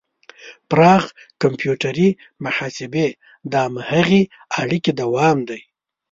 پراخ کمپیوټري محاسبې د هماغې اړیکې دوام دی.